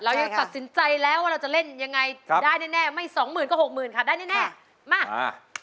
เรายังตัดสินใจแล้วว่าเราจะเล่นยังไงได้แน่ไม่๒๐๐๐๐ก็๖๐๐๐๐ค่ะได้แน่มา